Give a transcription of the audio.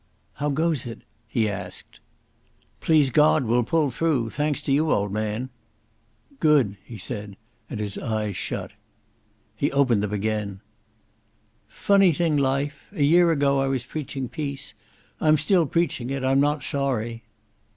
"How goes it?" he asked. "Please God, we'll pull through ... thanks to you, old man." "Good," he said and his eyes shut. He opened them once again. "Funny thing life. A year ago I was preaching peace.... I'm still preaching it.... I'm not sorry."